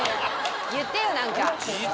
言ってよ何か！